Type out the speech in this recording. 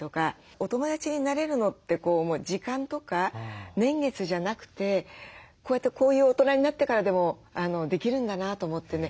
お友だちになれるのって時間とか年月じゃなくてこうやってこういう大人になってからでもできるんだなと思ってね